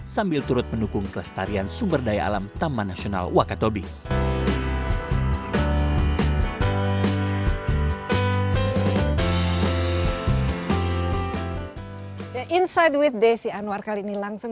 sambil turut mendukung kelestarian sumber daya alam taman nasional wakatobi